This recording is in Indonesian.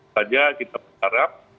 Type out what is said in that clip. saja kita berharap